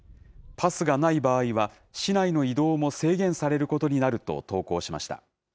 パスがない場合は市内の移動も制限されることになると投稿しました。